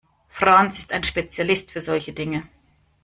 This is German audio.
Franz ist ein Spezialist für solche Dinge.